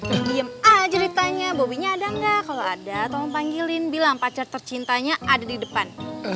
eh diam aja ceritanya bobinya ada enggak kalau ada tolong panggilin bilang pacar tercintanya ada di depan